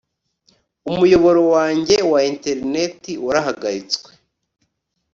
umuyoboro wanjye wa interineti warahagaritswe